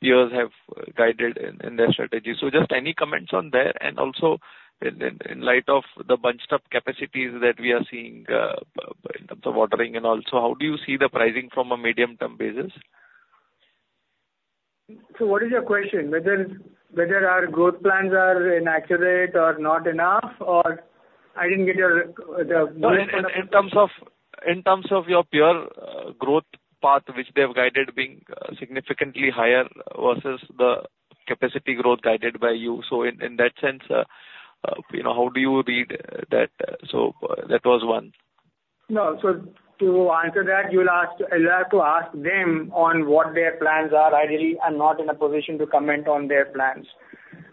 [SPEAKER 16] peers have guided in their strategy. So just any comments on there, and also in light of the bunched up capacities that we are seeing in terms of ordering and also how do you see the pricing from a medium-term basis?
[SPEAKER 2] So what is your question? Whether our growth plans are inaccurate or not enough, or I didn't get your, the-
[SPEAKER 16] No, in terms of your peer growth path, which they have guided being significantly higher versus the capacity growth guided by you. So in that sense, you know, how do you read that? So that was one.
[SPEAKER 2] No. So to answer that, you'll have to ask them on what their plans are. Ideally, I'm not in a position to comment on their plans.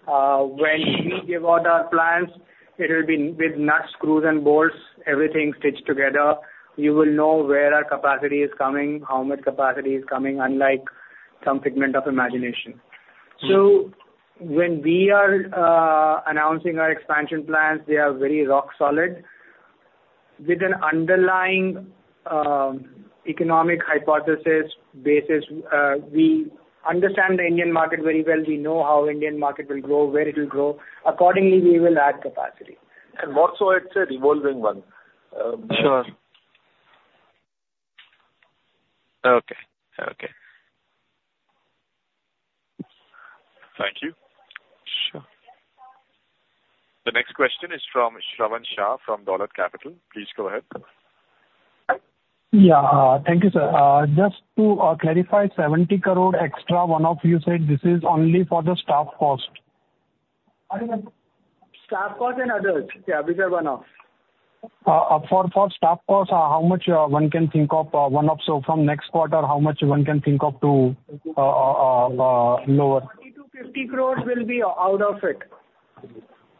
[SPEAKER 2] When we give out our plans, it'll be with nuts, screws, and bolts, everything stitched together. You will know where our capacity is coming, how much capacity is coming, unlike some figment of imagination. So when we are announcing our expansion plans, they are very rock solid. With an underlying economic hypothesis basis, we understand the Indian market very well. We know how Indian market will grow, where it will grow. Accordingly, we will add capacity.
[SPEAKER 4] And more so, it's a revolving one.
[SPEAKER 16] Sure. Okay, okay.
[SPEAKER 1] Thank you.
[SPEAKER 16] Sure.
[SPEAKER 1] The next question is from Shravan Shah, from Dolat Capital. Please go ahead.
[SPEAKER 17] Yeah, thank you, sir. Just to clarify, 70 crore extra one-off, you said this is only for the staff cost?
[SPEAKER 2] I think staff cost and others. Yeah, these are one-off.
[SPEAKER 17] For staff costs, how much one can think of one-off? So from next quarter, how much one can think of to lower?
[SPEAKER 2] 30 crore-INR 50 crore will be out of it.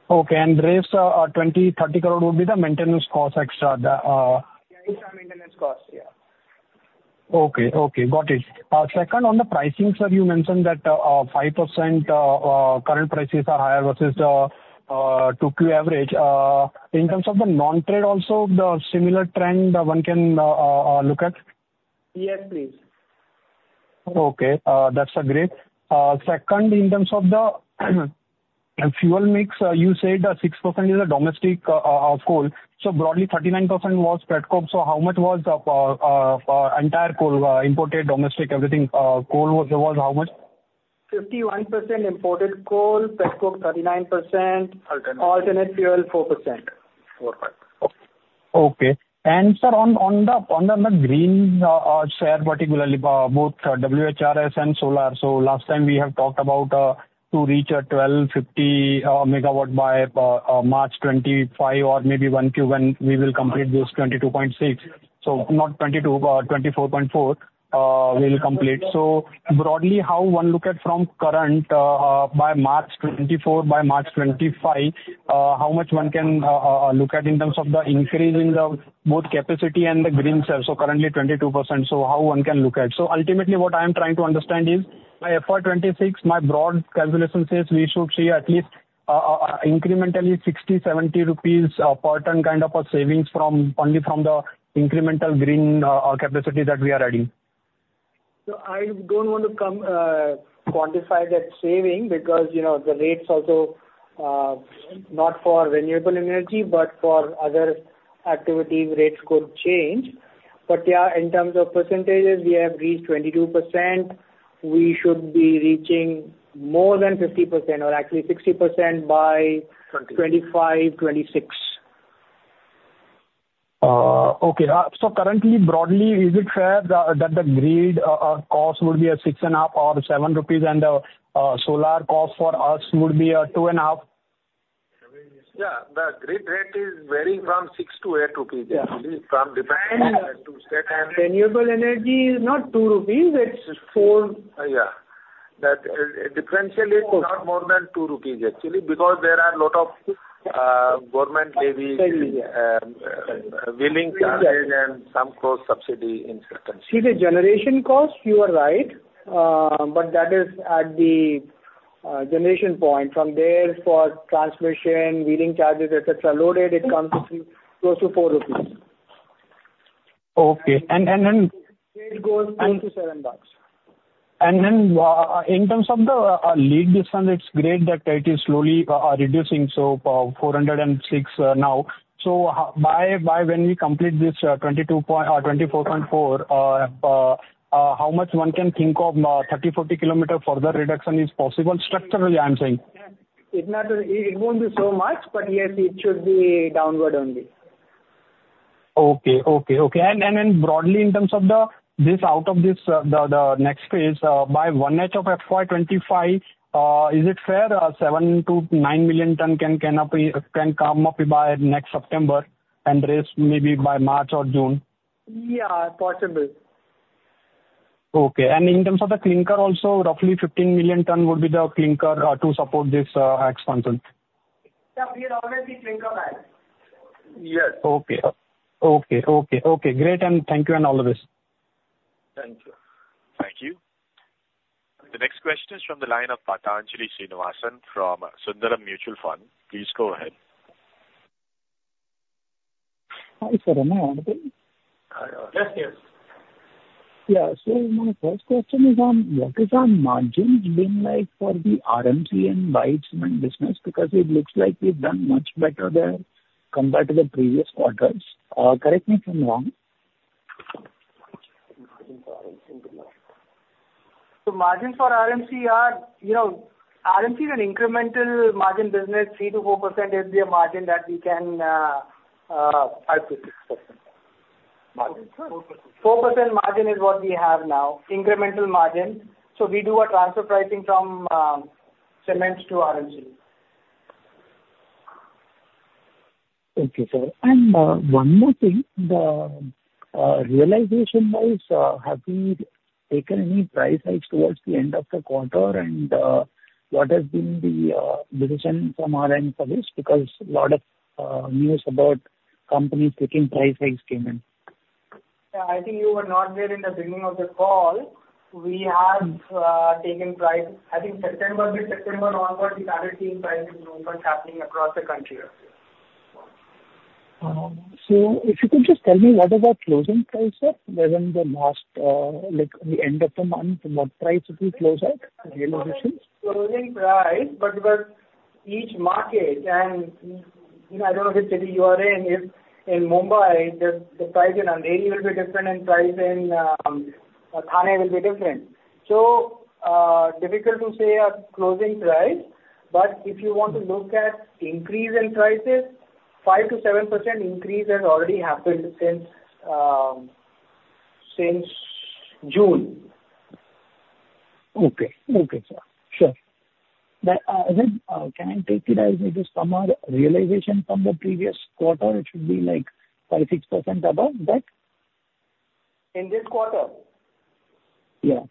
[SPEAKER 17] Okay. And rest, 20-30 crore will be the maintenance cost extra, the,
[SPEAKER 2] Yeah, extra maintenance cost. Yeah.
[SPEAKER 17] Okay. Okay, got it. Second, on the pricing, sir, you mentioned that, 5%, current prices are higher versus the 2Q average. In terms of the non-trade also, the similar trend, one can look at?
[SPEAKER 2] Yes, please.
[SPEAKER 17] Okay, that's great. Second, in terms of the fuel mix, you said that 6% is domestic coal. So broadly, 39% was Pet coke. So how much was the entire coal, imported, domestic, everything, coal was how much?
[SPEAKER 2] 51% imported coal, Pet coke 39%-
[SPEAKER 17] Alternate.
[SPEAKER 2] Alternative fuel, 4%.
[SPEAKER 17] 4%. Okay. And sir, on the green share, particularly both WHRS and solar. So last time we have talked about to reach a 1,250 MW by March 2025 or maybe 1Q when we will complete this 22.6. So not 22, 24.4, we'll complete. So broadly, how one look at from current by March 2024, by March 2025, how much one can look at in terms of the increase in both capacity and the green cells? So currently 22%, so how one can look at? Ultimately, what I am trying to understand is, by FY 26, my broad calculation says we should see at least incrementally 60-70 rupees per ton kind of a savings from only from the incremental green capacity that we are adding.
[SPEAKER 2] So I don't want to quantify that saving, because, you know, the rates also, not for renewable energy, but for other activities, rates could change. But, yeah, in terms of percentages, we have reached 22%. We should be reaching more than 50% or actually 60% by-
[SPEAKER 17] Twenty.
[SPEAKER 2] Twenty-five, twenty-six.
[SPEAKER 17] Okay. So currently, broadly, is it fair that the grid cost would be 6.5 or 7 and the solar cost for us would be 2.5?
[SPEAKER 4] Yeah, the grid rate is varying from 6-8 rupees.
[SPEAKER 17] Yeah.
[SPEAKER 4] From dependent to state and-
[SPEAKER 2] Renewable energy is not 2 rupees, it's 4.
[SPEAKER 4] Yeah. That differential is not more than 2 rupees actually, because there are a lot of government levies, wheeling charges and some cross subsidy in certain-
[SPEAKER 2] See, the generation cost, you are right. But that is at the generation point. From there, for transmission, wheeling charges, et cetera, loaded, it comes to close to 4 rupees.
[SPEAKER 17] Okay, and...
[SPEAKER 2] It goes up to INR 7.
[SPEAKER 17] And then, in terms of the lead distance, it's great that it is slowly reducing, so 406 now. So by when we complete this 24.4, how much one can think of 30-40 kilometer further reduction is possible? Structurally, I'm saying.
[SPEAKER 2] It won't be so much, but yes, it should be downward only....
[SPEAKER 17] Okay, okay, okay. And broadly, in terms of this out of this, the next phase, by first half of FY 2025, is it fair, 7-9 million tons can come up by next September, and rest maybe by March or June?
[SPEAKER 2] Yeah, possible.
[SPEAKER 17] Okay. And in terms of the clinker also, roughly 15 million tons would be the clinker to support this expansion?
[SPEAKER 2] Yeah, we have already covered that. Yes.
[SPEAKER 17] Okay. Okay, okay, okay, great, and thank you and all the best.
[SPEAKER 2] Thank you.
[SPEAKER 1] Thank you. The next question is from the line of Pathanjali Srinivasan from Sundaram Mutual Fund. Please go ahead.
[SPEAKER 18] Hi, sir, am I audible?
[SPEAKER 2] Yes, yes.
[SPEAKER 18] Yeah. So my first question is on what is our margins been like for the RMC and white cement business? Because it looks like you've done much better than compared to the previous quarters. Correct me if I'm wrong.
[SPEAKER 2] The margins for RMC are, you know, RMC is an incremental margin business, 3%-4% is the margin that we can, 5%-6%.
[SPEAKER 18] Margin 4%.
[SPEAKER 2] 4% margin is what we have now, incremental margin, so we do a transfer pricing from cements to RMC.
[SPEAKER 18] Thank you, sir. And, one more thing, the realization-wise, have you taken any price hikes towards the end of the quarter? And, what has been the decision from RM for this? Because a lot of news about companies taking price hikes came in.
[SPEAKER 2] Yeah, I think you were not there in the beginning of the call. We have taken price. I think September, mid-September onwards, we started seeing price improvements happening across the country.
[SPEAKER 18] So if you could just tell me, what is our closing price, sir, within the last, like, the end of the month, what price did we close at? Realization.
[SPEAKER 2] Closing price, but with each market, and you know, I don't know which city you are in. If in Mumbai, the price in Andheri will be different and price in Thane will be different. So, difficult to say a closing price, but if you want to look at increase in prices, 5%-7% increase has already happened since June.
[SPEAKER 18] Okay. Okay, sir. Sure. But, then, can I take it as it is some realization from the previous quarter, it should be, like, 5-6% above that?
[SPEAKER 2] In this quarter?
[SPEAKER 18] Yeah.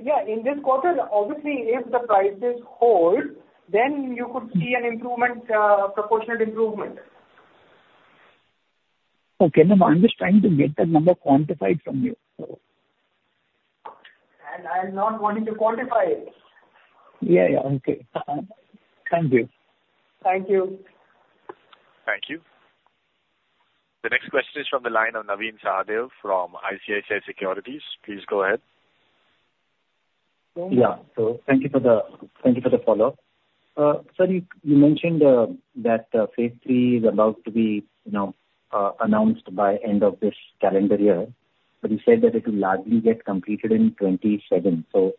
[SPEAKER 2] Yeah, in this quarter, obviously, if the prices hold, then you could see an improvement, proportionate improvement.
[SPEAKER 18] Okay, no, I'm just trying to get that number quantified from you, so.
[SPEAKER 2] I'm not wanting to quantify it.
[SPEAKER 18] Yeah, yeah. Okay. Thank you.
[SPEAKER 2] Thank you.
[SPEAKER 1] Thank you. The next question is from the line of Navin Sahadeo from ICICI Securities. Please go ahead.
[SPEAKER 6] Yeah. So thank you for the, thank you for the follow-up. Sir, you mentioned that phase three is about to be, you know, announced by end of this calendar year, but you said that it will largely get completed in 2027. So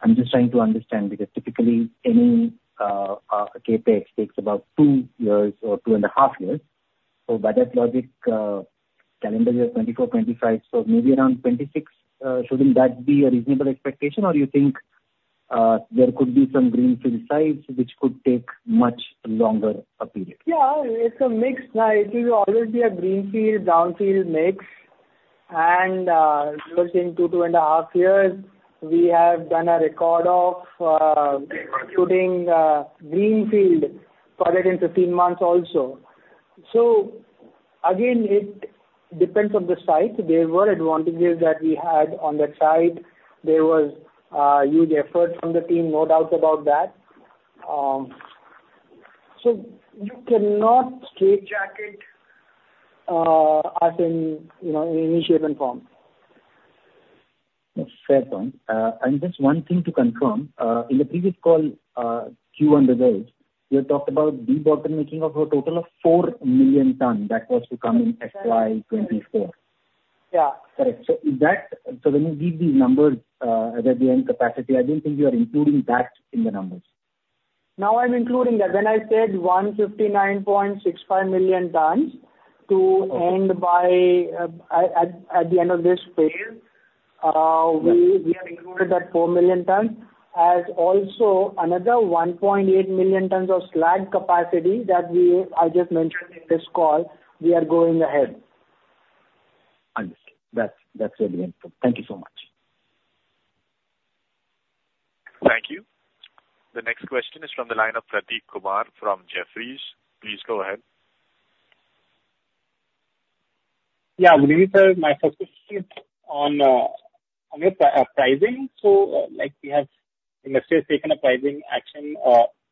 [SPEAKER 6] I'm just trying to understand, because typically any CapEx takes about two years or two and a half years. So by that logic, calendar year 2024, 2025, so maybe around 2026, shouldn't that be a reasonable expectation? Or you think there could be some greenfield sites which could take much longer a period?
[SPEAKER 2] Yeah, it's a mix. It will always be a greenfield, brownfield mix. And within 2, 2.5 years, we have done a record of putting greenfield project in 15 months also. So again, it depends on the site. There were advantages that we had on that site. There was a huge effort from the team, no doubt about that. So you cannot straitjacket, as in, you know, in initiative form.
[SPEAKER 6] Fair point. And just one thing to confirm, in the previous call, Q&A, you had talked about debottlenecking of a total of 4 million tons that was to come in FY 2024.
[SPEAKER 2] Yeah.
[SPEAKER 6] Correct. So is that, so when you give these numbers, at the end capacity, I didn't think you were including that in the numbers.
[SPEAKER 2] Now I'm including that. When I said 159.65 million tons to-
[SPEAKER 6] Okay.
[SPEAKER 2] end by at the end of this phase
[SPEAKER 6] Yes.
[SPEAKER 2] We have included that 4 million tons, and also another 1.8 million tons of slag capacity that we, I just mentioned in this call. We are going ahead.
[SPEAKER 6] Understood. That's, that's really important. Thank you so much.
[SPEAKER 1] Thank you. The next question is from the line of Prateek Kumar from Jefferies. Please go ahead.
[SPEAKER 19] Yeah, good evening, sir. My first question is on your pricing. So, like, we have, the industry has taken a pricing action.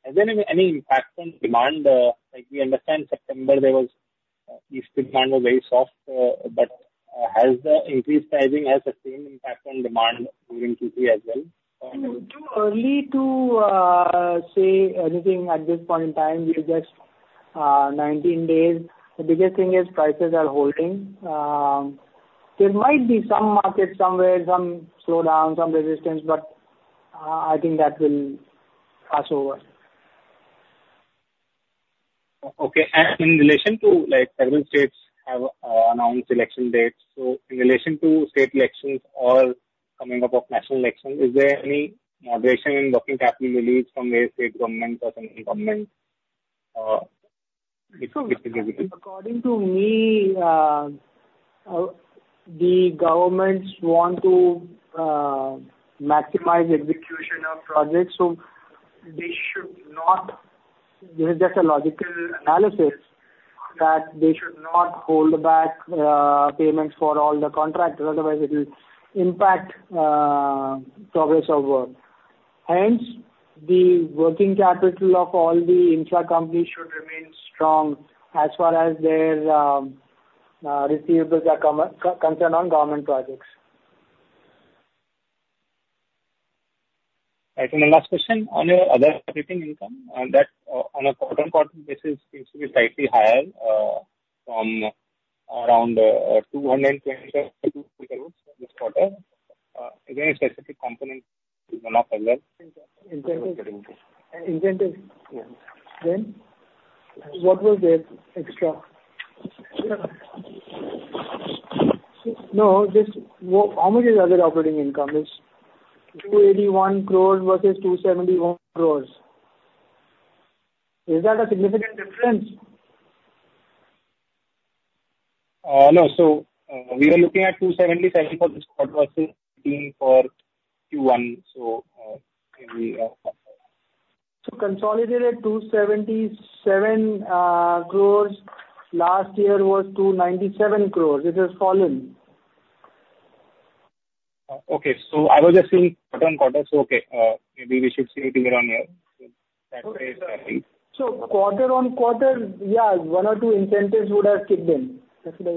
[SPEAKER 19] Has there been any impact on demand? Like, we understand, September there was, East demand was very soft, but, has the increased pricing has the same impact on demand during Q3 as well?
[SPEAKER 2] Too early to say anything at this point in time. We are just 19 days. The biggest thing is prices are holding. There might be some markets somewhere, some slowdown, some resistance, but I think that will pass over....
[SPEAKER 19] Okay, and in relation to, like, several states have announced election dates. So in relation to state elections or coming up of national elections, is there any variation in working capital release from the state government or central government?
[SPEAKER 2] So according to me, the governments want to maximize execution of projects, so they should not, this is just a logical analysis, that they should not hold back payments for all the contractors, otherwise it will impact progress of work. Hence, the working capital of all the infra companies should remain strong as far as their receivables are concerned on government projects.
[SPEAKER 19] Right. And my last question on your other operating income, and that, on a quarter-on-quarter basis seems to be slightly higher, from around 220 crore this quarter. Again, a specific component in the lock as well.
[SPEAKER 2] Incentive. Incentive.
[SPEAKER 19] Yeah.
[SPEAKER 2] Then what was there extra? No, just how much is other operating income? It's 281 crores versus 271 crores. Is that a significant difference?
[SPEAKER 19] No. So, we were looking at 277 for this quarter versus INR 18 for Q1, so, maybe,
[SPEAKER 2] Consolidated 277 crores. Last year was 297 crores. It has fallen.
[SPEAKER 19] Okay. So I was just seeing quarter-over-quarter, so, okay, maybe we should see it year-over-year. That way, exactly.
[SPEAKER 2] Quarter-on-quarter, yeah, one or two incentives would have kicked in.
[SPEAKER 19] Quarter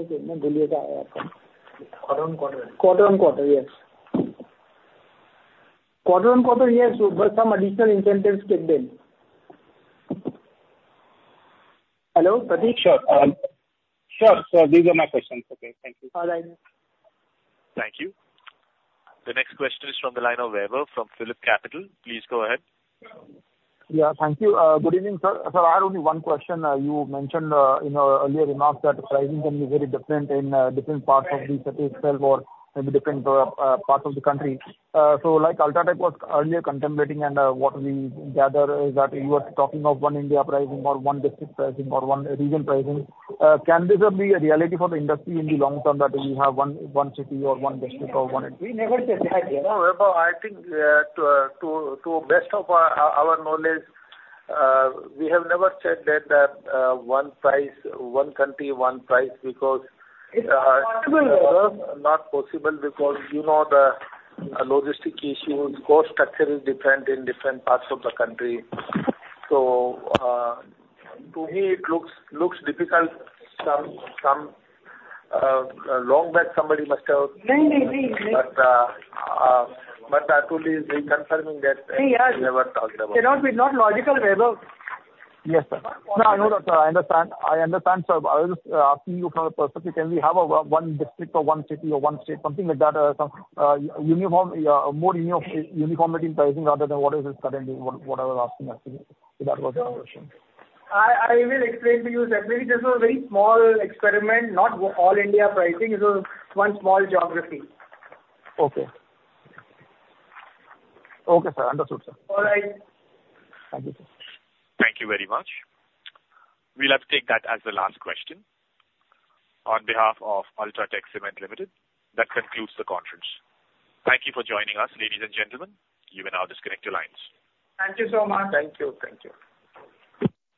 [SPEAKER 19] on quarter?
[SPEAKER 2] Quarter-on-quarter, yes. Quarter-on-quarter, yes, so where some additional incentives kicked in. Hello, Prateek?
[SPEAKER 19] Sure. Sure. So these are my questions. Okay, thank you.
[SPEAKER 2] All right.
[SPEAKER 1] Thank you. The next question is from the line of Vaibhav from PhillipCapital. Please go ahead.
[SPEAKER 20] Yeah, thank you. Good evening, sir. Sir, I have only one question. You mentioned in our earlier remarks that pricing can be very different in different parts of the city itself or in different parts of the country. So like UltraTech was earlier contemplating, and what we gather is that you were talking of one India pricing or one district pricing or one region pricing. Can this ever be a reality for the industry in the long term, that we have one city or one district or one?
[SPEAKER 2] We never said that.
[SPEAKER 4] No, Vaibhav, I think, to best of our knowledge, we have never said that, one price, one country, one price, because-
[SPEAKER 2] It's not possible.
[SPEAKER 4] Not possible, because you know, the logistic issues, cost structure is different in different parts of the country. So, to me, it looks difficult. Some long back somebody must have-
[SPEAKER 2] No, no, no.
[SPEAKER 4] But, but I could be reconfirming that-
[SPEAKER 2] No, yeah.
[SPEAKER 4] We never talked about it.
[SPEAKER 2] It would not be logical, Vaibhav.
[SPEAKER 20] Yes, sir. No, I know that, sir. I understand. I understand, sir. I was just asking you from the perspective, can we have one district or one city or one state, something like that, some uniform, more uniformity in pricing rather than what is it currently, what I was asking, actually. So that was my question.
[SPEAKER 2] I will explain to you, sir. Maybe this was a very small experiment, not all India pricing. It was one small geography.
[SPEAKER 20] Okay. Okay, sir. Understood, sir.
[SPEAKER 2] All right.
[SPEAKER 20] Thank you, sir.
[SPEAKER 1] Thank you very much. We'll have to take that as the last question. On behalf of UltraTech Cement Limited, that concludes the conference. Thank you for joining us, ladies and gentlemen. You may now disconnect your lines.
[SPEAKER 2] Thank you so much.
[SPEAKER 4] Thank you. Thank you.